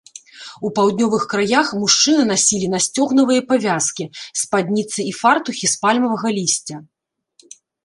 У паўднёвых краях мужчыны насілі насцёгнавыя павязкі, спадніцы і фартухі з пальмавага лісця.